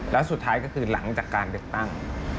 แล้วสุดท้ายก็คือหลังจากการเลือกตั้ง